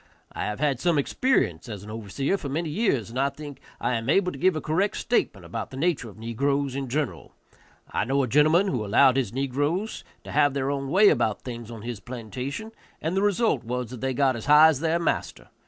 I have had some experience as an overseer for many years, and I think I am able to give a correct statement about the nature of negroes in general. I know a gentleman who allowed his negroes to have their own way about things on his plantation, and the result was that they got as high as their master.